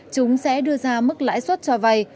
chúng sẽ đưa ra mức lãi suất cho vay